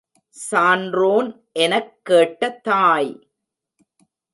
சான்றோன் எனக் கேட்ட தாய்!